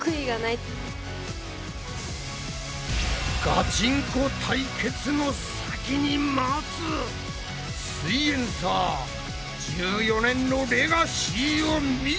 ガチンコ対決の先に待つ「すイエんサー」１４年のレガシーを見よ！